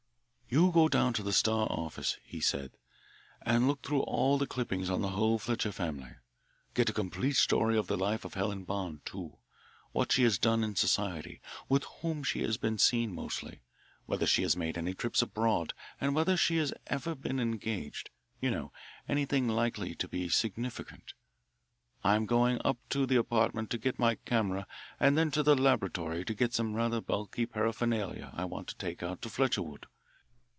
"You go down to the Star office," he said, "and look through all the clippings on the whole Fletcher family. Get a complete story of the life of Helen Bond, too what she has done in society, with whom she has been seen mostly, whether she has made any trips abroad, and whether she has ever been engaged you know, anything likely to be significant. I'm going up to the apartment to get my camera and then to the laboratory to get some rather bulky paraphernalia I want to take out to Fletcherwood.